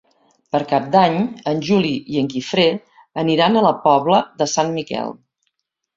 Per Cap d'Any en Juli i en Guifré aniran a la Pobla de Sant Miquel.